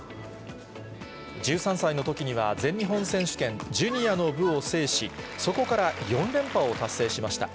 １３歳のときには、全日本選手権ジュニアの部を制し、そこから４連覇を達成しました。